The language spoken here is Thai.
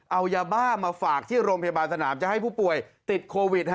เอายาบ้ามาฝากที่โรงพยาบาลสนามจะให้ผู้ป่วยติดโควิด